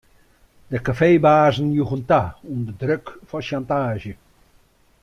De kafeebazen joegen ta ûnder druk fan sjantaazje.